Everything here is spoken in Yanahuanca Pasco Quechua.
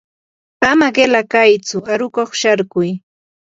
ama qila kaytsu aruqkuq sharkuy.